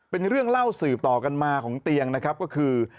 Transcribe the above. เป็นเรื่องเล่าสืบต่อกันมาของเตียงนะครับก็คือ